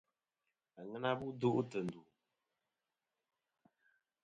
Àŋena bu duʼ tɨ̀ ndù.